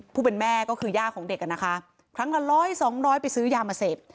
ผู้เป็นแม่ก็คือย่าของเด็กอ่ะนะคะครั้งละร้อยสองร้อยไปซื้อยามาเสพ